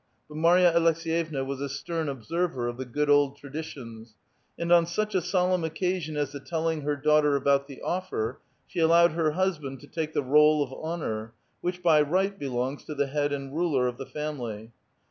But Marya Aleks^yevna was a stern observer of the good old traditions, and on such a solemn occasion as the telling her daughter about the offer, she allowed her husband to take the r61e of honor, which by right belongs to the head and ruler of the family.